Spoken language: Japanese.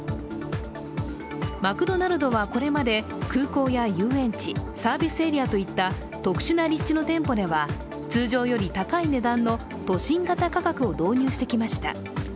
マクドナルドはこれまで、空港や遊園地、サービスエリアといった特殊な立地の店舗では通常より高い値段の都心型価格を導入してきました。